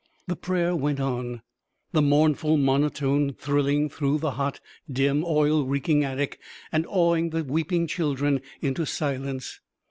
The prayer went on, the mournful monotone thrilling through the hot, dim, oil reeking attic, and awing the weeping children into silence.